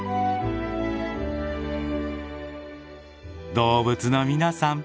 動物の皆さん。